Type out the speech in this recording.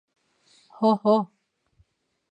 Һо-һо!